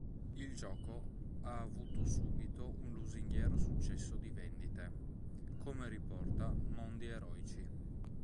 Il gioco ha avuto subito un lusinghiero successo di vendite., come riporta "Mondi Eroici".